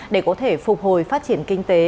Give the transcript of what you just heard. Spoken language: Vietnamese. để có thể phục hồi phát triển kinh tế